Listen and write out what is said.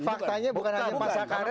faktanya bukan hanya pasakannya